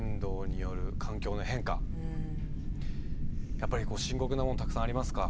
やっぱり深刻なものたくさんありますか？